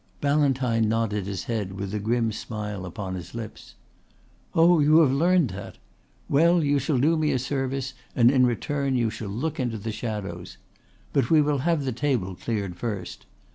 Ballantyne nodded his head with a grim smile upon his lips. "Oh, you have learnt that! Well, you shall do me a service and in return you shall look into the shadows. But we will have the table cleared first."